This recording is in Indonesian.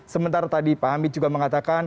sementara tadi pak hamid juga mengatakan